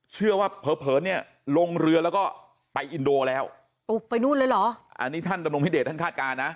เชื่อว่าเผลอเผลอเนี่ยลงเรือแล้วก็ไปอินโดแล้วโอ้ไปนู่นเลยเหรออันนี้ท่านดำรงพิเดชท่านคาดการณ์นะ